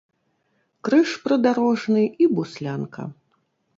Крыж прыдарожны і буслянка.